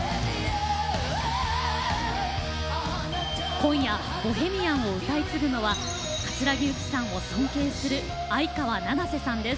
今夜「ボヘミアン」を歌い継ぐのは葛城ユキさんを尊敬する相川七瀬さんです。